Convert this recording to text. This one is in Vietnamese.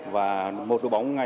và một đội bóng ngày